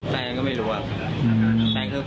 แฟนก็ไม่รู้อะ